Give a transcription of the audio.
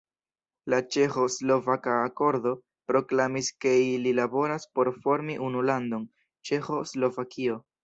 La Ĉeĥo-Slovaka akordo, proklamis ke ili laboras por formi unu landon: “Ĉeĥo-Slovakio”.